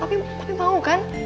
papi mau kan